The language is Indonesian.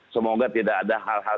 semoga tidak ada hal hal